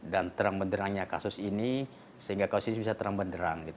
dan terang benerannya kasus ini sehingga kasus ini bisa terang beneran